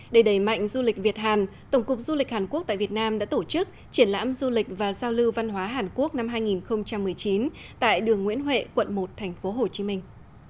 để đẩy mạnh du lịch việt hàn tổng cục du lịch hàn quốc tại việt nam đã tổ chức triển lãm du lịch và giao lưu văn hóa hàn quốc năm hai nghìn một mươi chín tại đường nguyễn huệ quận một thành phố hồ chí minh